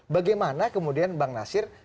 bagaimana kemudian bang nasir